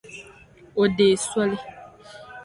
O deei soli.